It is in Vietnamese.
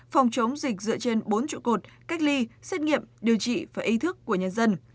phòng chống dịch dựa trên bốn trụ cột cách ly xét nghiệm điều trị và ý thức của nhân dân